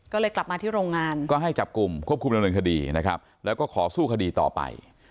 ก็เลยกลับมาที่โรงงานก็ให้จับกลุ่มควบคุมดำเนินคดีนะครับแล้วก็ขอสู้คดีต่อไป